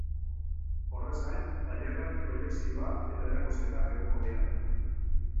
Horrez gain, tailerrak, proiekzioa eta erakusketak egongo dira.